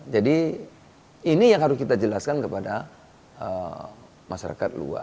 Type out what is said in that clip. jadi ini yang harus kita jelaskan kepada masyarakat luar